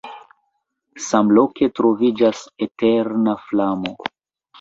Samloke troviĝas eterna flamo.